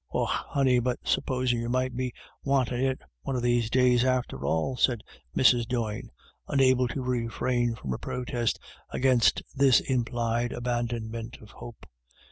" Och honey, but supposin* you might be wantin* I L BETWEEN TWO LADY DA VS. 235 it one of these days after all ?" said Mrs. Doyne unable to refrain from a protest against this implied abandonment of hope.